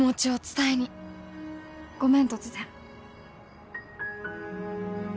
ごめん突然。